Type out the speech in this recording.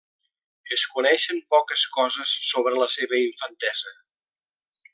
Es coneixen poques coses sobre la seva infantesa.